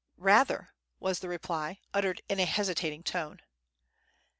"Rather," was the reply, uttered in a hesitating tone.